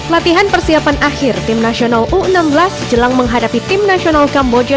latihan persiapan akhir tim nasional u enam belas jelang menghadapi tim nasional kamboja